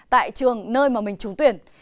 tại trường nơi mà mình trúng tuyển